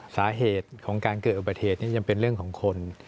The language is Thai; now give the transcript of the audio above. สาเหตุของการเกิดอุบัติเหตุนี้ยังเป็นเรื่องของคน